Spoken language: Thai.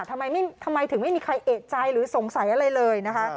ทำไมถึงไม่มีใครเอกใจหรือสงสัยอะไรเลยนะคะ